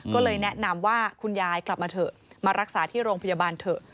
ก็เลยแนะนำว่าคุณยายกลับมาเถอะมารักษาที่โรงพยาบาลเถอะ